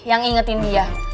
yang ingetin dia